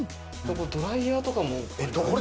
ドライヤーとかも。